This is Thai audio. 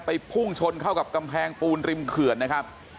พุ่งชนเข้ากับกำแพงปูนริมเขื่อนนะครับ